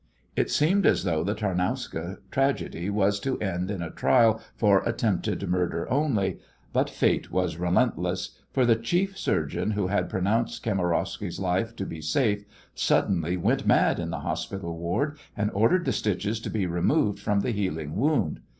It seemed as though the Tarnowska tragedy was to end in a trial for attempted murder only, but Fate was relentless, for the chief surgeon who had pronounced Kamarowsky's life to be safe suddenly went mad in the hospital ward and ordered the stitches to be removed from the healing wound.